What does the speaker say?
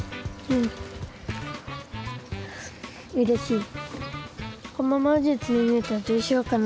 うれしい。